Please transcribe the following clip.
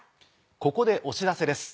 ここでお知らせです。